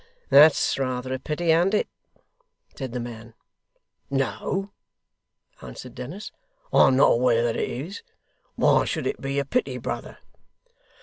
'That's rather a pity, an't it?' said the man. 'No,' answered Dennis, 'I'm not aware that it is. Why should it be a pity, brother?